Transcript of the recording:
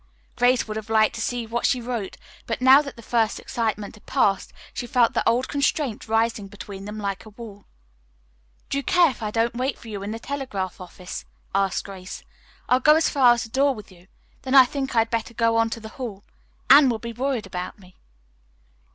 Grace would have liked to see what she wrote, but now that the first excitement had passed she felt the old constraint rising between them like a wall. "Do you care if I don't wait for you in the telegraph office?" asked Grace. "I'll go as far as the door with you. Then I think I had better go on to the Hall. Anne will be worried about me."